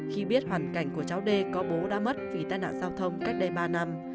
khi biết hoàn cảnh của cháu d có bố đã mất vì tai nạn giao thông cách đây ba năm